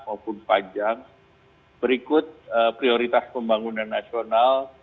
pembangunan nasional berikut prioritas pembangunan nasional